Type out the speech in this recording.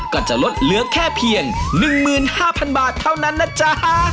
ก็จะลดเหลือแค่เพียง๑๕๐๐๐บาทเท่านั้นนะจ๊ะ